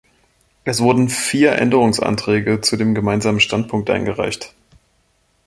Es wurden vier Änderungsanträge zu dem Gemeinsamen Standpunkt eingereicht.